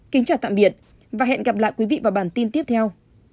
kính chào tạm biệt và hẹn gặp lại quý vị vào bản tin tiếp theo